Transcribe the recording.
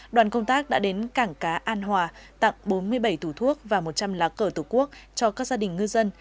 đoàn công tác đã đến cảng cá an hòa tặng bốn mươi bảy tủ thuốc và một trăm linh lá cờ tổ quốc cho các gia đình ngư dân